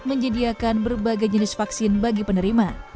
menyediakan berbagai jenis vaksin bagi penerima